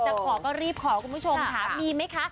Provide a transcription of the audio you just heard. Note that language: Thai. ขอก็รีบขอคุณผู้ชมค่ะมีไหมคะ